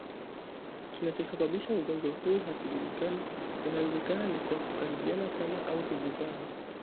Kinachosababisha ugonjwa huu hakijulikani inawezekana ni kwa kukaribiana sana au kugusana